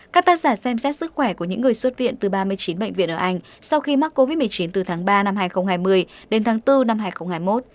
các tác giả xem xét sức khỏe của những người xuất viện từ ba mươi chín bệnh viện ở anh sau khi mắc covid một mươi chín từ tháng ba năm hai nghìn hai mươi đến tháng bốn năm hai nghìn hai mươi một